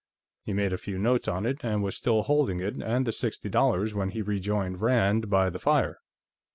He made a few notes on it, and was still holding it and the sixty dollars when he rejoined Rand by the fire.